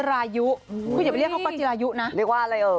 โอ้แล้วอีกแล้ว